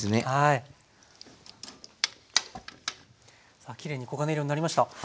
さあきれいに黄金色になりました。